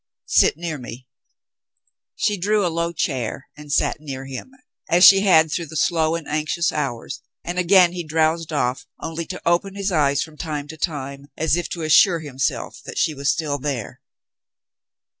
"Sit near me." She drew a low chair and sat near him, as she had through the slow and anxious hours, and again he drowsed off, only to open his eyes from time to time as if to assure himself that she was still there.